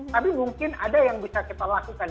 tapi mungkin ada yang bisa kita lakukan